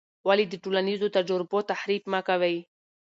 ولې د ټولنیزو تجربو تحریف مه کوې؟